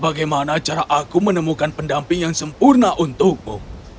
bagaimana cara aku menemukan pendamping yang sempurna untukmu